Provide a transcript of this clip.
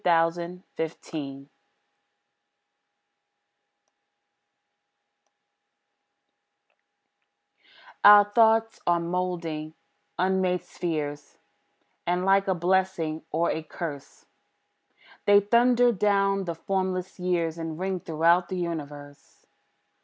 THE CREED TO BE Our thoughts are moulding unmade spheres, And, like a blessing or a curse, They thunder down the formless years, And ring throughout the universe.